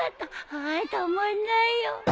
あたまんないよ。